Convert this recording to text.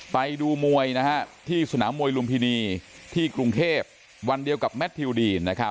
ไปดูมวยที่สนามมวยลุมพินีที่กรุงเทพวันเดียวกับแมททิวดีน